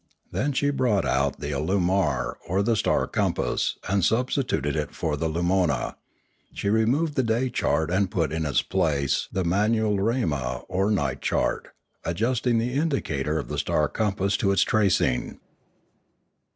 Then she brought out the alumare or star compass and substituted it for the lumona; she removed the day chart and put in its place the manularema or night chart, adjusting the indicator of the star compass to its tracing.